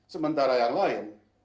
sementara yang lain